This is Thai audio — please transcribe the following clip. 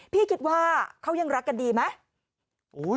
พี่คิดว่าเขายังรักกันดีไหม